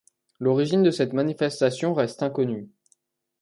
L’origine de cette manifestation reste inconnue.